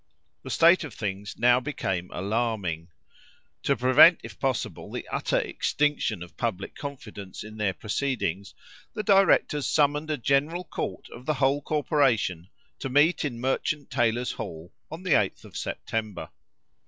The state of things now became alarming. To prevent, if possible, the utter extinction of public confidence in their proceedings, the directors summoned a general court of the whole corporation, to meet in Merchant Tailors' Hall on the 8th of September.